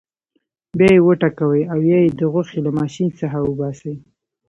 بیا یې وټکوئ او یا یې د غوښې له ماشین څخه وباسئ.